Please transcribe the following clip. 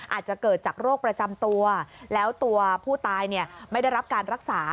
อาจจะเกิดจากโรคประจำตัวแล้วตัวผู้ตายไม่ได้รับการรักษา